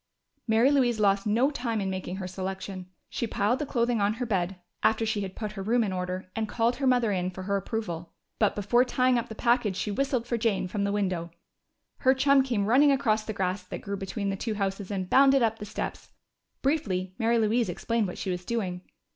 Mary Louise lost no time in making her selection. She piled the clothing on her bed, after she had put her room in order, and called her mother in for her approval. But before tying up the package she whistled for Jane from her window. Her chum came running across the grass that grew between the two houses and bounded up the steps. Briefly Mary Louise explained what she was doing.